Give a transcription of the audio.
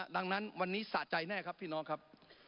ดังนั้นวันนี้สะใจแน่ครับพี่น้องครับ